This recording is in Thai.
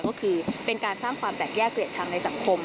ก็คือเป็นการสร้างความแตกแยกเกลียดชังในสังคม